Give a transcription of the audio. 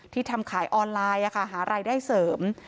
ทำขายออนไลน์หารายได้เสริม